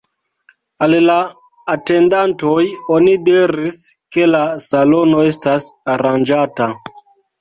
Al la atendantoj oni diris, ke la salono estas aranĝata.